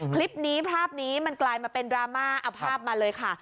คลิปนี้ภาพนี้มันกลายมาเป็นดราม่าเอาภาพมาเลยค่ะ